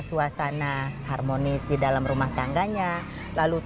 suasana harmonis di dalam rumah tangganya